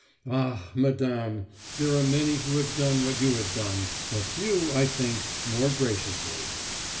Ah, Madame! there are many who have done what you have done, but few, I think, more graciously.